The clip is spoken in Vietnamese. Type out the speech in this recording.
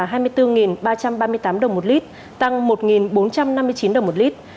xăng ron chín mươi năm niêm yết là hai mươi bốn ba trăm ba mươi tám đồng một lit tăng một bốn trăm năm mươi chín đồng một lit